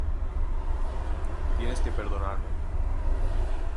tienes que perdonarme.